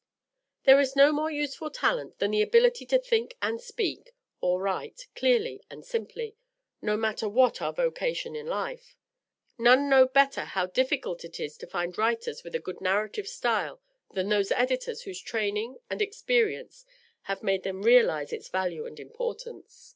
There is no more useful talent than the ability to think and speak (or write) clearly and simply, no matter what our vocation in life. None know better how difficult it is to find writers with a good narrative style than those editors whose training and experience have made them realize its value and importance.